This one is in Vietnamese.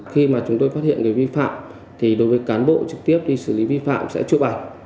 khi mà chúng tôi phát hiện người vi phạm thì đối với cán bộ trực tiếp đi xử lý vi phạm sẽ chụp ảnh